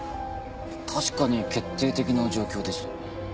確かに決定的な状況です。